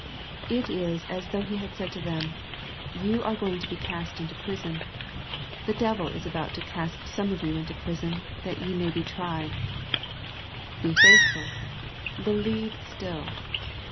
It is as though He had said to them, You are going to be cast into prison, *' the devil is about to cast some of you into prison, that ye may be tried." Be faithful, believe still.